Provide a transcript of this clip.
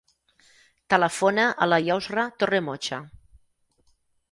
Telefona a la Yousra Torremocha.